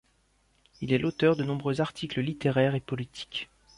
Il est l'auteur de nombreux articles littéraires et politiques.